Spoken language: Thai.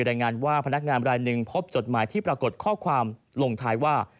รายงานว่าพนักงานรายหนึ่งพบจดหมายที่ปรากฏข้อความลงท้ายว่า